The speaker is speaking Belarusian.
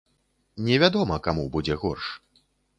Невядома каму будзе горш.